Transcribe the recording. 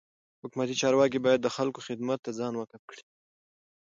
حکومتي چارواکي باید د خلکو خدمت ته ځان وقف کي.